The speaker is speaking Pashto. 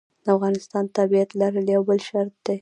د افغانستان تابعیت لرل یو بل شرط دی.